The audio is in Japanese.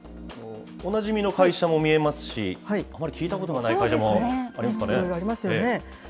おなじみの会社も見えますし、あまり聞いたことがない会社もあいろいろありますよね。